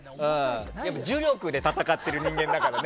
呪力で戦ってる人間だからね。